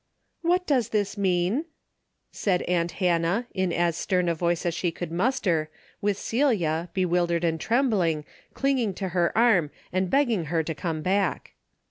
" What does this mean ?" said aunt Hannah, in as stern a voice as she could muster, with Celia, bewildered and trembling, clinging to her arm and begging her to come back.